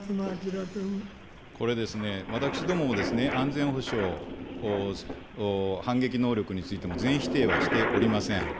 これですね、私どもも安全保障、反撃能力についても全否定はしておりません。